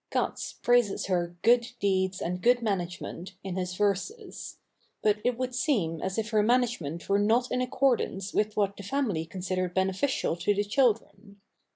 Cats praises her "good deeds and good management" in his verses; but it would seem as if her management were not in accordance with what the family considered beneficial to the children.